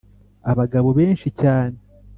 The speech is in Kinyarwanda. abagabo benshi cyane